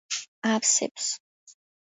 აავსებს